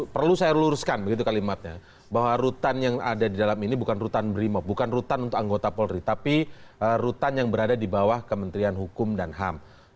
perlu saya luruskan begitu kalimatnya bahwa rutan yang ada di dalam ini bukan rutan brimob bukan rutan untuk anggota polri tapi rutan yang berada di bawah kementerian hukum dan ham